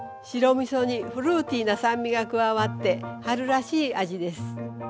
白みそにフルーティーな酸味が加わって春らしい味です。